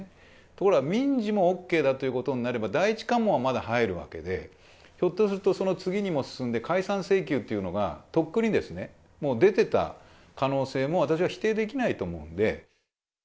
ところが、民事もＯＫだということになれば、第一関門はまだ入るわけで、ひょっとすると、その次にも進んで、解散請求っていうのが、とっくにもう出てた可能性も、私は否定できないと思うんで。